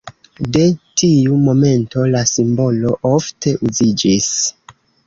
De tiu momento la simbolo ofte uziĝis.